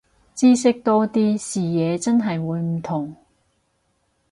知識多啲，視野真係會唔同